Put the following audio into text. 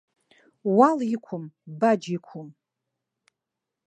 Уал иқәым, баџь иқәым.